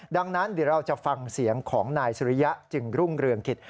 ดังนั้นเดี๋ยวเราจะฟังเสียงของนายสุริยะจึงรุ่งเรืองกิจ